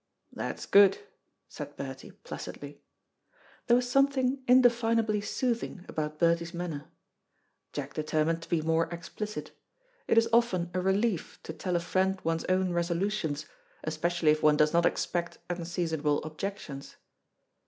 "That's good," said Bertie placidly. There was something indefinably soothing about Bertie's manner. Jack determined to be more explicit. It is often a relief to tell a friend one's own resolutions, especially if one does not expect unseasonable objections.